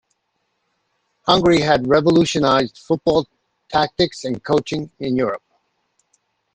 Hungary had revolutionized football tactics and coaching in Europe.